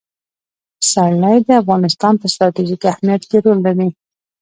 پسرلی د افغانستان په ستراتیژیک اهمیت کې رول لري.